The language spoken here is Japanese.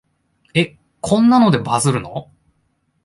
え、こんなのでバズるの？